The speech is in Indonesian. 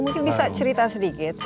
mungkin bisa cerita sedikit